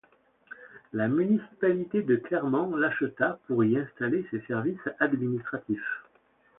La municipalité de Clermont l'acheta pour y installer ses services administratifs.